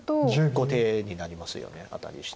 後手になりますよねアタリして。